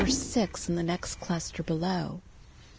6 in the next cluster below.